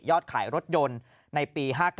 ขายรถยนต์ในปี๕๙